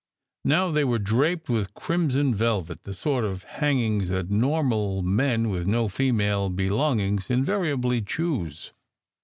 Now they were draped with crimson velvet, the sort of hangings that normal men with no female belongings invariably choose.